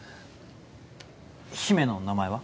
姫の名前は？